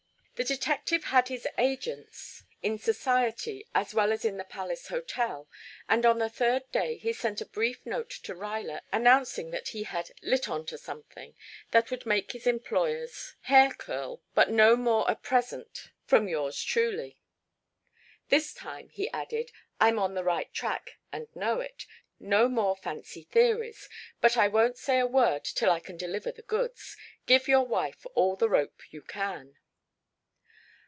The detective had his agents in society, as well as in the Palace Hotel, and on the third day he sent a brief note to Ruyler announcing that he had "lit on to something" that would make his employer's "hair curl, but no more at present from yours truly." "This time," he added, "I'm on the right track and know it. No more fancy theories. But I won't say a word till I can deliver the goods. Give your wife all the rope you can."